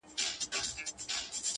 چا تړلی له ګلونو نه وری دی